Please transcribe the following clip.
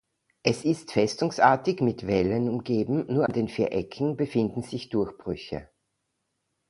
Es ist festungsartig mit Wällen umgeben, nur an den vier Ecken befinden sich Durchbrüche.